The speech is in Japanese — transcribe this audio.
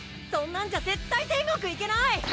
そんなんじゃ絶対天国行けない！